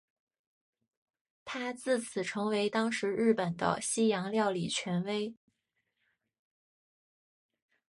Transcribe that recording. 他自此成为当时日本的西洋料理权威。